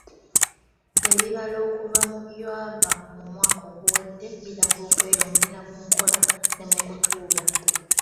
Ebibalo okuva mu byava mu mwaka oguwedde biraga okweyongera mu nkola ne mu kutuula.